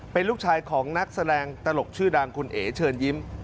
เป็นลูกชายของนักแสดงตลกชื่อดังคุณเอ๋เชิญยิ้ม